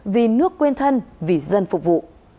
vì nước quên thân vì dân phục vụ